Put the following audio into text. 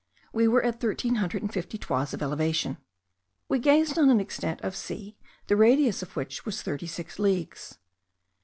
We were at thirteen hundred and fifty toises of elevation. We gazed on an extent of sea, the radius of which was thirty six leagues.